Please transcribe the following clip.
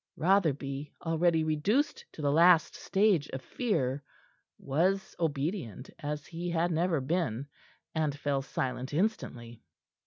Rotherby, already reduced to the last stage of fear, was obedient as he had never been, and fell silent instantly.